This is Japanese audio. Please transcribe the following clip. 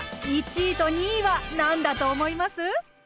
１位と２位は何だと思います？